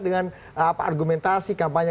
dengan argumentasi kampanye